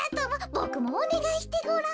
ボクもおねがいしてごらん。